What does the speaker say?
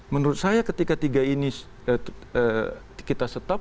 menurut saya ketika tiga ini kita stop